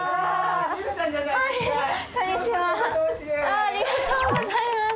ありがとうございます。